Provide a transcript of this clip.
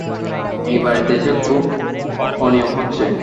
এ-বাড়িতে এসে খুব অনিয়ম হচ্ছে।